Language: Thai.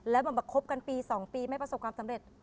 แล้วประคบกันปีสองปีไม่ประสบความสำเร็จ